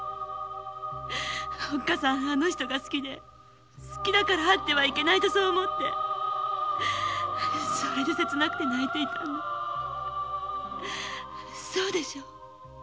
おっかさんあの人が好きで好きだから会ってはいけないとそう思ってそれでせつなくて泣いていたんだそうでしょ？